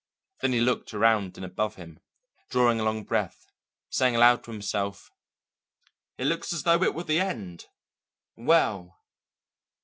Then he looked around and above him, drawing a long breath, saying aloud to himself: "It looks as though it were the end well!"